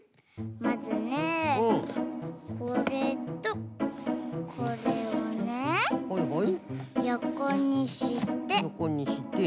まずねこれとこれをねよこにして。